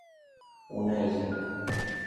Una hija.